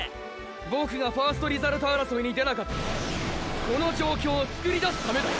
ボクがファーストリザルト争いに出なかったのはこの状況を作り出すためだよ。